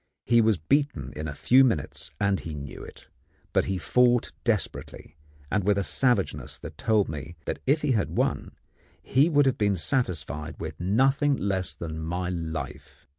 He was beaten in a few minutes, and he knew it; but he fought desperately, and with a savageness that told me that if he had won he would have been satisfied with nothing less than my life.